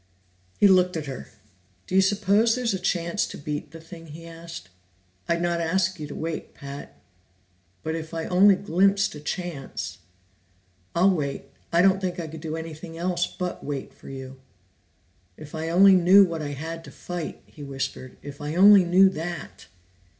He looked at her. "Do you suppose there's a chance to beat the thing?" he asked. "I'd not ask you to wait, Pat, but if I only glimpsed a chance " "I'll wait. I don't think I could do anything else but wait for you." "If I only knew what I had to fight!" he whispered. "If I only knew that!"